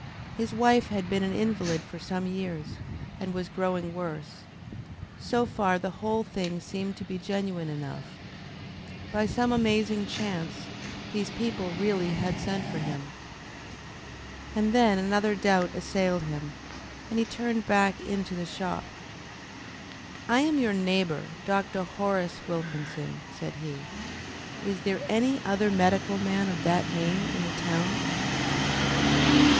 His wife had been an invalid for some years, and was growing worse. So far the whole thing seemed to be genuine enough. By some amazing chance these people really had sent for him. And then another doubt assailed him, and he turned back into the shop. "I am your neighbour, Dr. Horace Wilkinson," said he. "Is there any other medical man of that name in the town?"